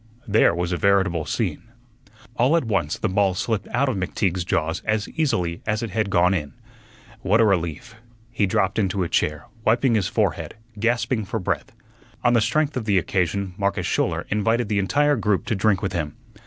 There was a veritable scene. All at once the ball slipped out of McTeague's jaws as easily as it had gone in. What a relief! He dropped into a chair, wiping his forehead, gasping for breath. On the strength of the occasion Marcus Schouler invited the entire group to drink with him.